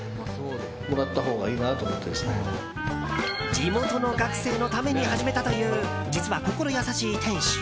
地元の学生のために始めたという、実は心優しい店主。